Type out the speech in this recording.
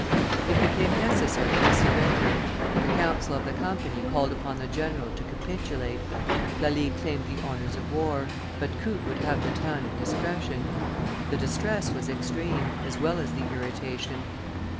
It became necessary to surrender; the council of the Company called upon the general to capitulate; Lally claimed the honors of war, but Coote would have the town at discretion; the distress was extreme as well as the irritation.